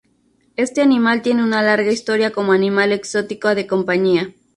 Este animal tiene una larga historia como animal exótico de compañía.